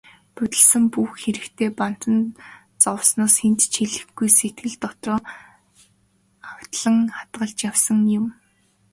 Будилсан бүх хэрэгтээ бантан зовсноос хэнд ч хэлэхгүй, сэтгэл дотроо агдлан хадгалж явсан юм.